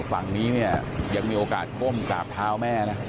ฝั่งนี้เนี่ยยังมีโอกาสก้มกราบเท้าแม่นะ